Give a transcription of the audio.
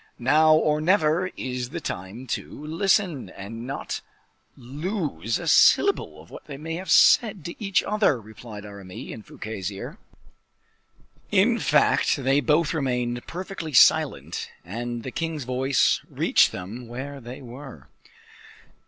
"Now or never is the time to listen, and not lose a syllable of what they may have to say to each other," replied Aramis in Fouquet's ear. In fact they both remained perfectly silent, and the king's voice reached them where they were.